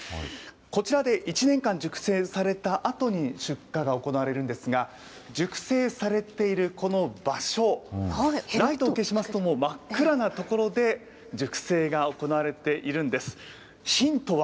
こちらで１年間熟成されたあとに出荷が行われるんですが、熟成されているこの場所、ライトを消しますと、もう真っ暗な所で熟成が行われているんです。